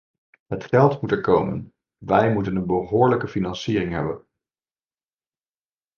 Het geld moet er komen; wij moeten een behoorlijke financiering hebben.